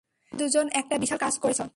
তোমরা দুজন একটা বিশাল কাজ করেছ।